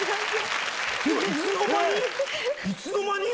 いつの間に？